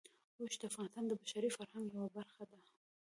اوښ د افغانستان د بشري فرهنګ یوه برخه ده.